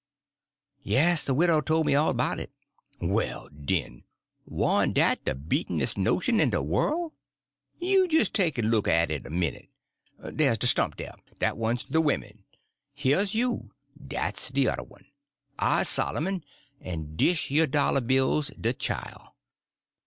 "Yes, the widow told me all about it." "Well, den! Warn' dat de beatenes' notion in de worl'? You jes' take en look at it a minute. Dah's de stump, dah—dat's one er de women; heah's you—dat's de yuther one; I's Sollermun; en dish yer dollar bill's de chile.